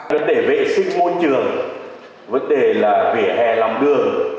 vấn đề vệ sinh môi trường vấn đề là vỉa hè lòng đường